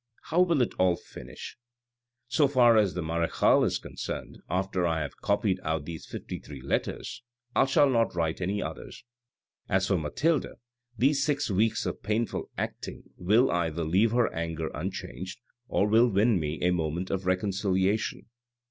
How will it all finish ?"" So far as the marechale is concerned, after I have copied out these fifty three letters, I shall not write any others. " As for Mathilde, these six weeks of painful acting will either leave her anger unchanged, or will win me a moment of reconciliation.